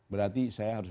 berarti saya harus